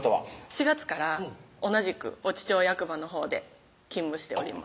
４月から同じく越知町役場のほうで勤務しております